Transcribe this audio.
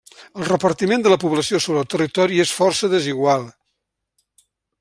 El repartiment de la població sobre el territori és força desigual.